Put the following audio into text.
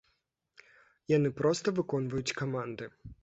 Яны проста выконваюць каманды.